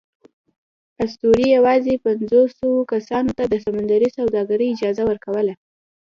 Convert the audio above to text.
اسطورې یواځې پینځوسوو کسانو ته د سمندري سوداګرۍ اجازه ورکوله.